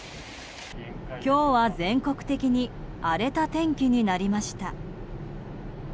今日は全国的に荒れた天気になりました。